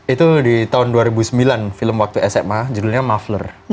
itu di tahun dua ribu sembilan film waktu sma judulnya mufhler